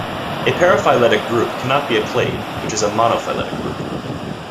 A paraphyletic group cannot be a clade, which is a monophyletic group.